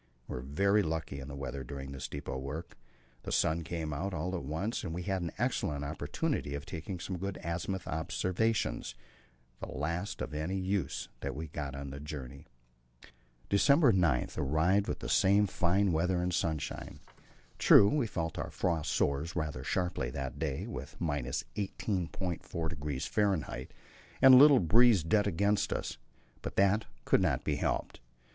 We were very lucky in the weather during this depot work; the sun came out all at once, and we had an excellent opportunity of taking some good azimuth observations, the last of any use that we got on the journey. December 9 arrived with the same fine weather and sunshine. True, we felt our frost sores rather sharply that day, with 18.4° F. and a little breeze dead against us, but that could not be helped.